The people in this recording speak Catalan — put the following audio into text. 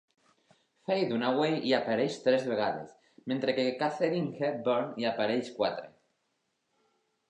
Faye Dunaway hi apareix tres vegades, mentre que Katharine Hepburn hi apareix quatre.